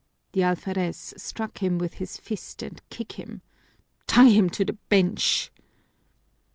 The alferez struck him with his fist and kicked him. "Tie him to the bench!"